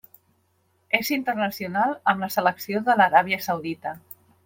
És internacional amb la selecció de l'Aràbia Saudita.